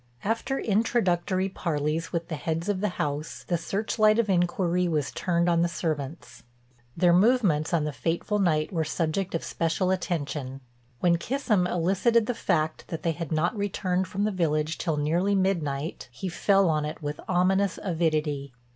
After introductory parleys with the heads of the house the searchlight of inquiry was turned on the servants. Their movements on the fateful night were subject of special attention. When Kissam elicited the fact that they had not returned from the village till nearly midnight he fell on it with ominous avidity.